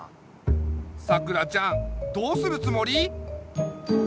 さくらちゃんどうするつもり？